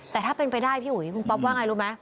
แต่ถ้าเป็นไปได้พี่อุ๋ยคุณป๊อปว่าไงรู้ไหม